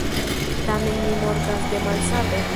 Tamen mi mortas de malsato.